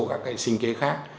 các cái sinh kế khác